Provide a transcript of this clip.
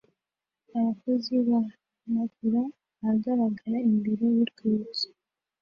Abakozi bahanagura ahagarara imbere y'urwibutso